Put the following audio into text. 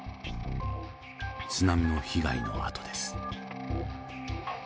津波の被害の跡です。